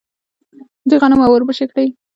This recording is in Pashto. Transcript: دوی غنم او وربشې کري.